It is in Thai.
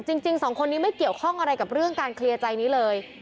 จริงสองคนนี้ไม่เกี่ยวข้องอะไรกับเรื่องการเคลียร์ใจนี้เลย